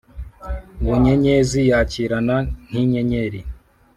Bunyenyezi yakirana nk'inyenyeri